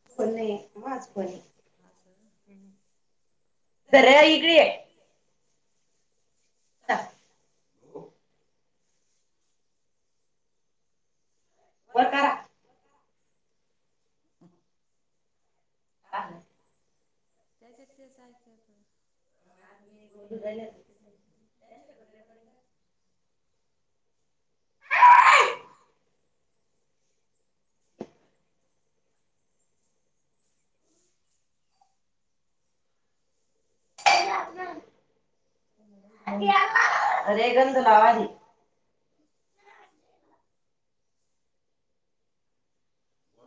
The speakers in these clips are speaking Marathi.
[unintelligible] धर्या ही घे. [inaudible] बरं का [inaudible] त्याच्यात तेच [unintelligible] [unintelligible] त्यांच्याकड [unintelligible] [unintelligible] अरे गंध लाव आधी.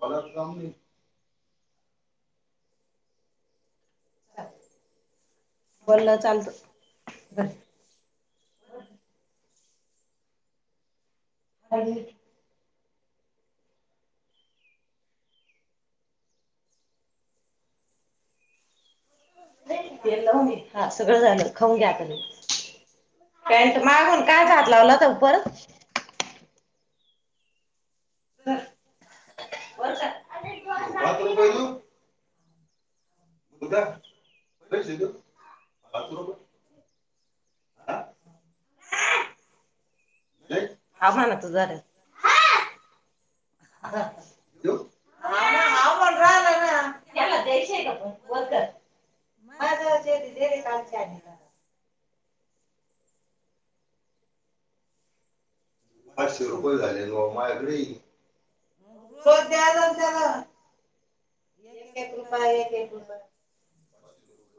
मलाच काम नाही. झालं बोलणं चालतं [inaudible] हरी तेल लाऊ मी हां सगळं झालं खाऊन घ्या आता लगेच पँट मागून काय च हात लावला तू परत. पाच रुपये देऊ? [unintelligible] बुधा, इथं पैसे बैस इथं देऊ? पाच रुपये बाथरूमात. हा? [unintelligible] नाही आम्हाला तर झाल्यात [unintelligible] देऊ हां हाव ना हाव म्हणून राहिला ना त्याला द्यायचंय द्यायची आहे का पण वर कर. वर्कर. माझं माझा शेती दिले काल छानीला [unintelligible] तुझे पाचशे रुपये रुपयेच झाले ना राहिलेत भाऊ बाबा माझ्याकडे. मग रोज ओ द्या जाऊन जा त्याला. एक एक रुपया एक एक रुपया पचशे रुपये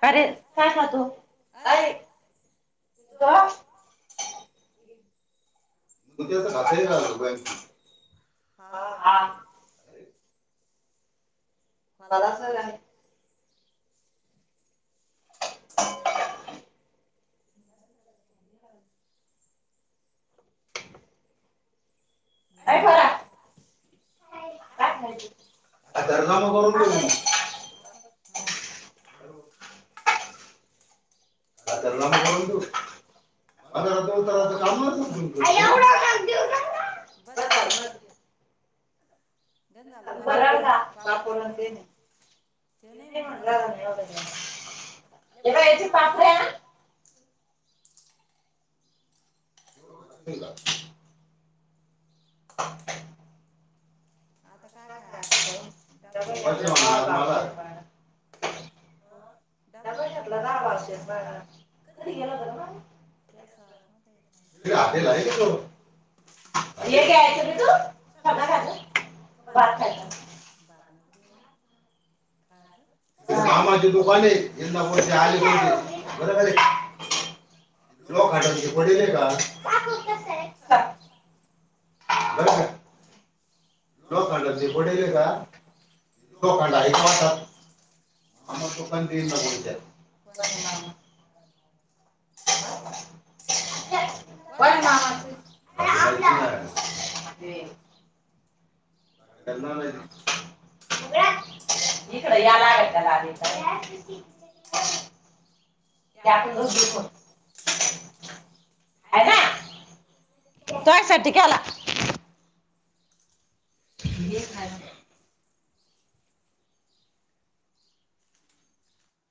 का रे काय खातो, काय? पितो? का? मग तुझ त्याचं आता खाता येईल अकरावी का झाल काय? रुपयाला हा. अरे बारा खोलाचं वाजता आहे जाईन. अरे, बरं. काय हेय पोरा खायचं? काय, हा तर जमा करून दे काय ना मग. खाईलय? पापड हं. [unintelligible] अरे मग [unintelligible] काय आ तर करणार ना मग नाही कोण करून तू? तू पंधरा बाजारात उतरायचं दिवसाच काम नसेल तुमचं [unintelligible] [unintelligible] ग बर बरं हाय का? झालं बरं पापड पापड कापड अन आणि तेन. ते नाही ते नाही म्हणल रागान एवढं द्याला. हे बाई हेची पापड्या आता [unintelligible] [unintelligible] आता काय खायचं डबा घेतल का? भावजचा. अ डबा घेतलं घेतला दहा बावशेर बारा डबा घेतला दहा का? बावशेर बारा [unintelligible] कधी गेल गेला होता ग बाळा? होत [unintelligible] [unintelligible] [unintelligible] हे घ्यायचं मी तो सगळं खायचं [unintelligible] भात खाजा. काय गं? कामाची दुकान आहे, यंदा पैसे आली आलेण होती बरे बरोबर आहे झाले. ती लोखंडाची [unintelligible] पडेले पडले का [unintelligible] बरोबर हाय. लोखंडाची लोखंडे पडेले पडले का. ती लोखंड आहे का [inaudible] वाटत मामा आम्हला दुकान दुकानात ते तेच इंदापूरच्या कोण आहे मामा दमवत्यात. हा कोण आहे ण [unintelligible] मामाचं अ [unintelligible] लागल्यात भयला नानाची [unintelligible] इकडे इकडं या लागत यालाग त्याला आली लागडे [unintelligible] ते का ते आपण दोन दुसर दिवस करू. आहे ना स्वासाठी तोयासाठी घ्याला केला. हे खाय.